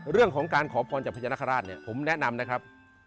เรื่องของการขอบฟรรณจากพระเจ้านครราชเนี่ยผมแนะนำนะครับ